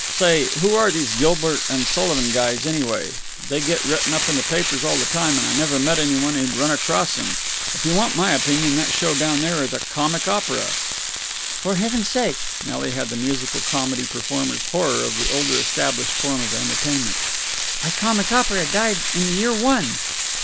Say, who are these Gilbert and Sullivan guys, anyway? They get written up in the papers all the time and I never met any one who'd run across them. If you want my opinion, that show down there is a comic opera!" "For heaven's sake!" Nelly had the musical comedy performer's horror of the older established form of entertainment. "Why, comic opera died in the year one!"